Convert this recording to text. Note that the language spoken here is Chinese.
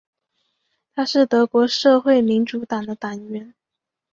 他是德国社会民主党的党员。